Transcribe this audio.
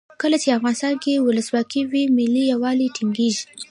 کله چې افغانستان کې ولسواکي وي ملي یووالی ټینګیږي.